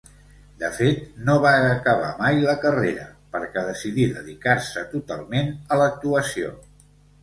De fet, no va acabar mai la carrera perquè decidí dedicar-se totalment a l'actuació.